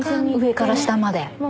上から下まで？